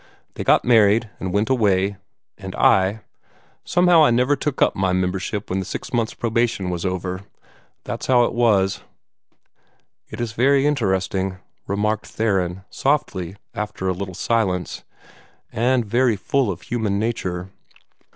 They got married, and went away and I somehow I never took up my membership when the six months' probation was over. That's how it was." "It is very interesting," remarked Theron, softly, after a little silence "and very full of human nature."